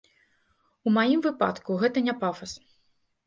У маім выпадку гэта не пафас.